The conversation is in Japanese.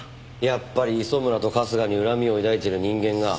やっぱり磯村と春日に恨みを抱いている人間が。